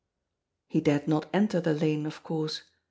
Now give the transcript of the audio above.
He dared not enter the lane, of course.